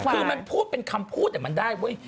คือมันพูดเป็นคำพูดมันได้เว้ย